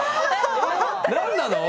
何なの？